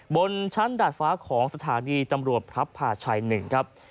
บนชั้นดาดฟ้าของสถานีตำรวจพระผ่าชัย๑ครับ